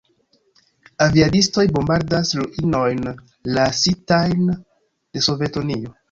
Aviadistoj bombardas ruinojn lasitajn de Sovetio.